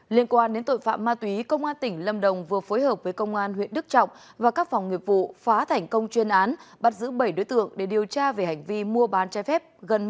liên quan đến tội phạm ma túy công an tỉnh lâm đồng vừa phối hợp với công an huyện đức trọng và các phòng nghiệp vụ phá thành công chuyên án bắt giữ bảy đối tượng để điều tra về hành vi mua bán trái phép